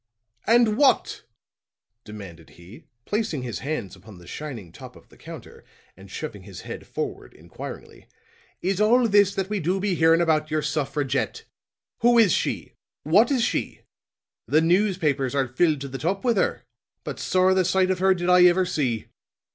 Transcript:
"And what," demanded he, placing his hands upon the shining top of the counter and shoving his head forward inquiringly, "is all this that we do be hearing about your suffragette? Who is she? What is she? The newspapers are filled to the top with her, but sorra the sight of her did I ever see.